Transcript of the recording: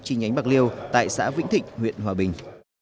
chi nhánh bạc liêu tại xã vĩnh thịnh huyện hòa bình